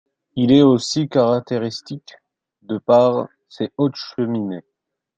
Il est aussi caractéristique de par ses hautes cheminées.